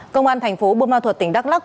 công an thành phố bôn ma thuật tỉnh đắk lắc